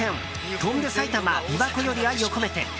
「翔んで埼玉琵琶湖より愛をこめて」。